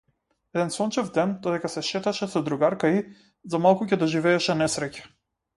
Еден сончев ден, додека се шеташе со другарка ѝ, за малку ќе доживееше несреќа.